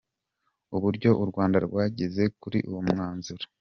Uburyo u Rwanda rwageze kuri uwo mwanzuro